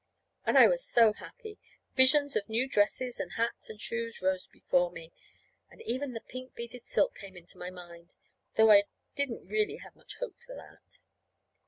And I was so happy! Visions of new dresses and hats and shoes rose before me, and even the pink beaded silk came into my mind though I didn't really have much hopes of that.